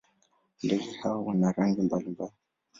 Ndege hawa wana rangi mbalimbali.